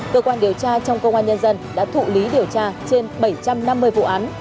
cơ quan điều tra trong công an nhân dân đã thụ lý điều tra trên bảy trăm năm mươi vụ án